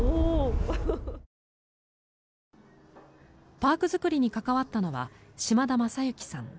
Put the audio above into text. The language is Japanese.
パーク作りに関わったのは島田昌幸さん。